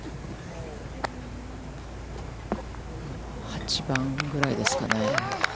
８番ぐらいですかね。